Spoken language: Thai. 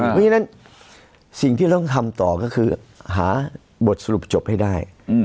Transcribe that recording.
เพราะฉะนั้นสิ่งที่ต้องทำต่อก็คือหาบทสรุปจบให้ได้